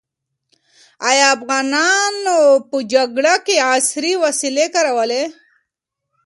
ایا افغانانو په جګړه کې عصري وسلې کارولې؟